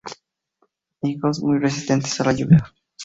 Higos muy resistentes a la lluvia.